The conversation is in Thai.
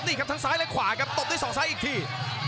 นี้ครับทั้งซ้ายและขวากับต้มที่ซอกซ้ายอีกที